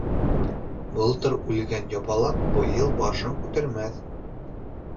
Былтыр үлгән ябалаҡ быйыл башын күтәрмәҫ.